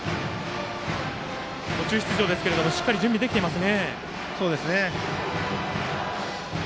途中出場ですけれどもしっかり準備できています。